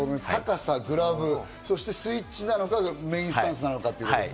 高さ、グラブ、そしてスイッチなのか、メインスタンスなのか。